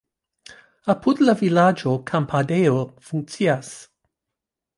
Apud la vilaĝo kampadejo funkcias.